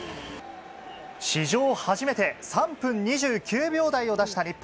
史上初めて３分２９秒台を出した日本。